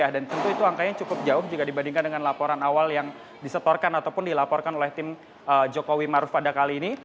dan tentu itu angkanya cukup jauh dibandingkan dengan laporan awal yang disetorkan ataupun dilaporkan oleh tim jokowi maruf pada kali ini